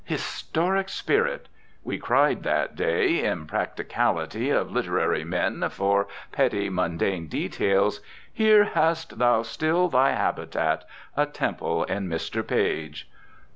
Historic Spirit! we cried that day, impracticality of literary men for petty, mundane details, here hast thou still thy habitat, a temple in Mr. Page!